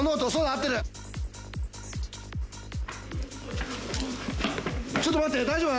合ってるちょっと待って大丈夫？